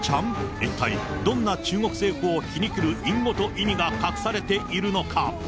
一体どんな中国政府を皮肉る隠語と意味が隠されているのか。